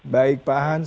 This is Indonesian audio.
baik pak hans